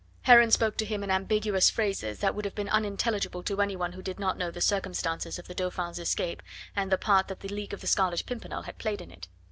Heron spoke to him in ambiguous phrases that would have been unintelligible to any one who did not know the circumstances of the Dauphin's escape and the part that the League of the Scarlet Pimpernel had played in it.